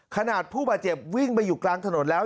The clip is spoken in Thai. ขนาดผู้บาดเจ็บวิ่งไปอยู่กลางถนนแล้ว